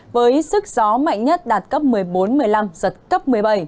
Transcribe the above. với sức gió mạnh nhất đạt cấp một mươi bốn một mươi năm giật cấp một mươi bảy